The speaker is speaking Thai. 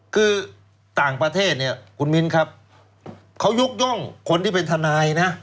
คือต่างประเทศเนี่ยคุณมิ้นครับเขายกย่องคนที่เป็นทนายนะ